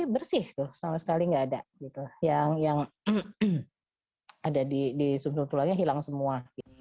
bersih tuh sama sekali nggak ada yang ada di sumber tulangnya hilang semua